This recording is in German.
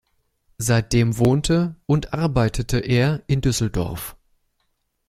Seitdem wohnte und arbeitete er in Düsseldorf.